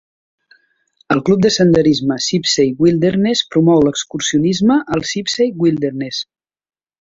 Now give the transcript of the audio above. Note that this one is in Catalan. El club de senderisme Sipsey Wilderness promou l'excursionisme al Sipsey Wilderness.